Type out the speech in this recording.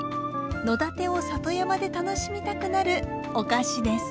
野点を里山で楽しみたくなるお菓子です。